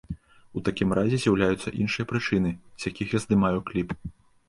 У такім разе з'яўляюцца іншыя прычыны, з якіх я здымаю кліп.